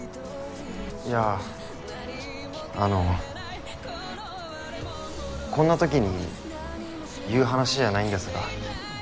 いやあのこんなときに言う話じゃないんですが。